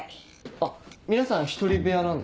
あっ皆さん１人部屋なんですか？